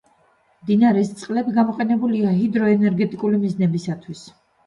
მდინარის წყლები გამოყენებულია ჰიდროენერგეტიკული მიზნებისათვის.